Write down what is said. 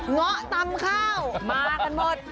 เงาะตำข้าวมากันหมด